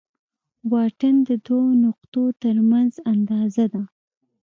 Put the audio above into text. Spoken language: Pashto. واټن د دوو نقطو تر منځ اندازه ده.